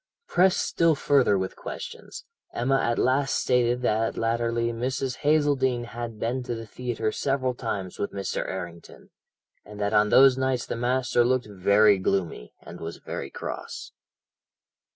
"Pressed still further with questions, Emma at last stated that latterly Mrs. Hazeldene had been to the theatre several times with Mr. Errington, and that on those nights the master looked very gloomy, and was very cross.